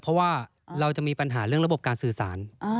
เพราะว่าเราจะมีปัญหาเรื่องระบบการสื่อสาร